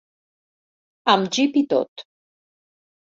Amb jeep i tot.